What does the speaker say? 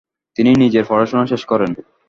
তিনি নিজের পড়াশোনা শেষ করেন।